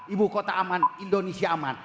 ibu kota aman indonesia aman